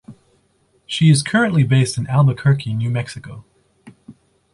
She is currently based in Albuquerque, New Mexico.